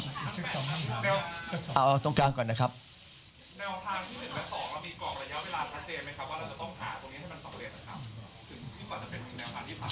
แนวทางที่๑๐และ๒มีกรอกระยะเวลาชัดเจนไหมครับว่าเราต้องถาดตรงนี้ให้มันสำเร็จนะครับ